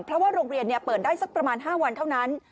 เพราะว่าโรงเรียนเปิดได้สักประมาณ๕วันเท่านั้น